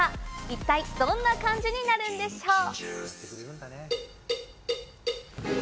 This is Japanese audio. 一体どんな感じになるんでしょう？